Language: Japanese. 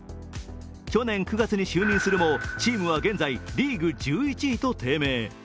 去年９月に就任するも、チームは現在、リーグ１１位と低迷。